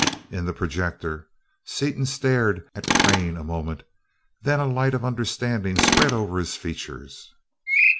In the projector, Seaton stared at Crane a moment, then a light of understanding spread over his features.